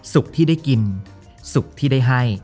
ที่ได้กินสุขที่ได้ให้